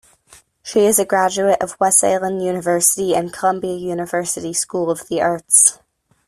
She is a graduate of Wesleyan University and Columbia University School of the Arts.